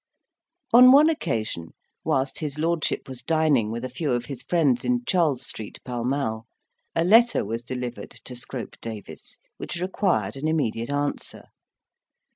On one occasion, whilst his lordship was dining with a few of his friends in Charles Street, Pall Mall, a letter was delivered to Scrope Davis, which required an immediate answer.